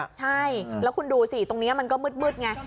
ใช่แล้วคุณดูสิตรงนี้มันก็มืดไง